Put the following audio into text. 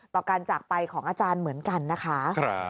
ต่อการจากไปของอาจารย์เหมือนกันนะคะ